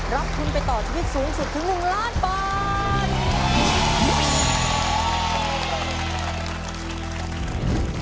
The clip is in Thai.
รับทุนไปต่อชีวิตสูงสุดถึง๑ล้านบาท